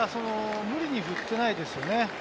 無理に振ってないですよね。